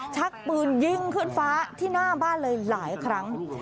ชักปืนยิงขึ้นฟ้าที่หน้าบ้านเลยหลายครั้ง